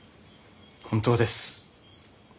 本当です。